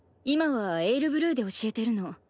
今は「ＡｉＲＢＬＵＥ」で教えてるの。